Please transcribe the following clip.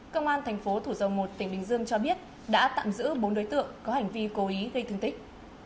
công an thành phố thủ dầu một tỉnh bình dương cho biết đã tạm giữ bốn đối tượng có hành vi cố ý gây thương tích